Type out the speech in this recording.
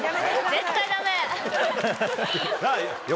絶対ダメ！